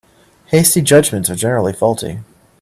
Hasty judgements are generally faulty.